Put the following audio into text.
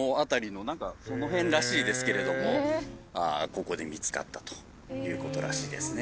ここで見つかったという事らしいですね。